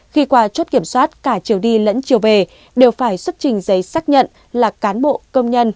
khi qua chốt kiểm soát cả chiều đi lẫn chiều về đều phải xuất trình giấy xác nhận là cán bộ công nhân